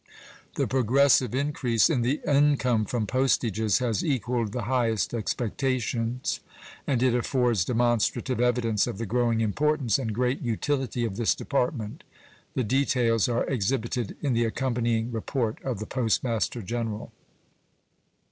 The progressive increase in the income from postages has equaled the highest expectations, and it affords demonstrative evidence of the growing importance and great utility of this Department. The details are exhibited in the accompanying report of the Post Master General.